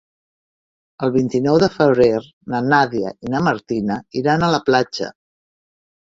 El vint-i-nou de febrer na Nàdia i na Martina iran a la platja.